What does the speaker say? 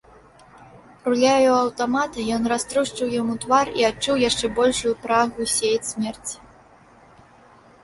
Руляю аўтамата ён раструшчыў яму твар і адчуў яшчэ большую прагу сеяць смерць.